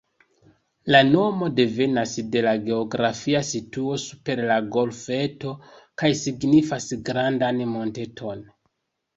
La nomo devenas de la geografia situo super la golfeto kaj signifas ""grandan monteton"".